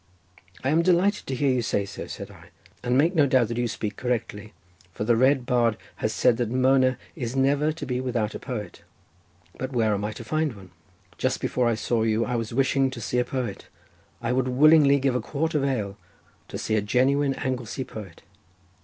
"I am delighted to hear you say so," said I, "and make no doubt that you speak correctly, for the Red Bard has said that Mona is never to be without a poet—but where am I to find one? Just before I saw you I was wishing to see a poet; I would willingly give a quart of ale to see a genuine Anglesey poet."